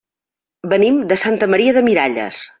Venim de Santa Maria de Miralles.